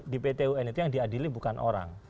di pt un itu yang diadili bukan orang